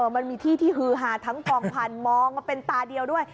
มันมีที่ที่ฮือฮาทั้งกองพันธุ์มองมาเป็นตาเดียวด้วย